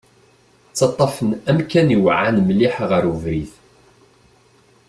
Ttaṭṭafen amkan iweɛɛan mliḥ ɣer ubrid.